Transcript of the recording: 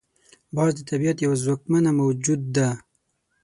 باز د طبیعت یو ځواکمنه موجود ده